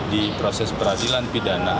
di proses peradilan pidana